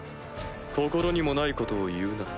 心にもないことを言うな。